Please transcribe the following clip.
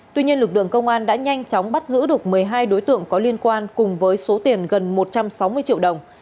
tuy nhiên lực lượng công an đã nhanh chóng bắt giữ được một mươi hai đối tượng có liên quan cùng với số tiền gần một trăm sáu mươi triệu đồng